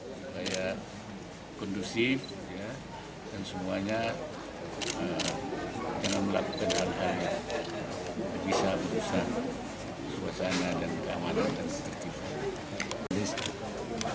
supaya kondusif dan semuanya dengan melakukan hal hal yang bisa merusak suasana dan keamanan dan seterusnya